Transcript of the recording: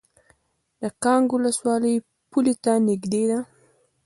د کانګ ولسوالۍ پولې ته نږدې ده